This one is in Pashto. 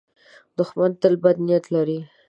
دښمن تل بد نیت لري